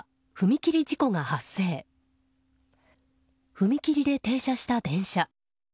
踏切で停車した電車。